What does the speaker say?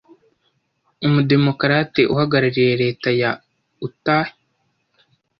umudemokarate uhagarariye leta ya Utah,